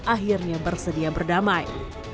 akhirnya bersedia berdamai